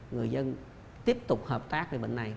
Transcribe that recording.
người dân tiếp tục hợp tác về bệnh này